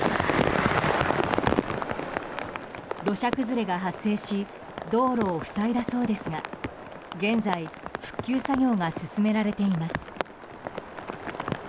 土砂崩れが発生し道路を塞いだそうですが現在、復旧作業が進められています。